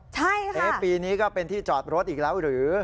ใช่ค่ะเอ๊ะปีนี้ก็เป็นที่จอดรถอีกแล้วหรือ